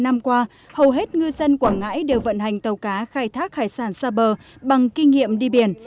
năm qua hầu hết ngư dân quảng ngãi đều vận hành tàu cá khai thác hải sản xa bờ bằng kinh nghiệm đi biển